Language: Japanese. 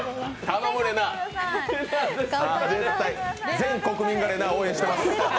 全国民が、れなぁを応援してます。